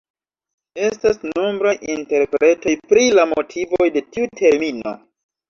Estas nombraj interpretoj pri la motivoj de tiu termino.